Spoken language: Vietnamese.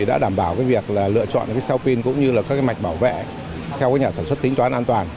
đã đảm bảo việc lựa chọn sao pin cũng như là các mạch bảo vệ theo nhà sản xuất tính toán an toàn